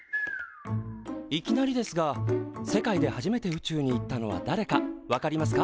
いきなりですが世界で初めて宇宙に行ったのはだれかわかりますか？